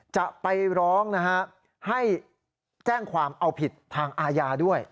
จะไปร้องนะฮะให้แจ้งความเอาผิดทางอาญาด้วย